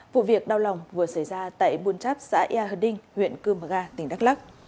vụ việc đau lòng vừa xảy ra tại bùn cháp xã ea hờ đinh huyện cư mờ ga tỉnh đắk lắc